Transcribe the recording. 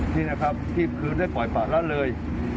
ที่นะครับที่ตัวคืนเราได้ปล่อยล้างปล่ากรณ์ด้วย